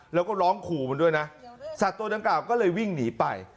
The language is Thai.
แล้วก็ร้องขู่มันด้วยนะสัตว์ตัวดังกล่าวก็เลยวิ่งหนีไป